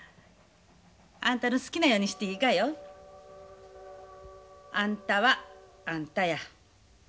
あんたの好きなようにしていいがよ。あんたはあんたや。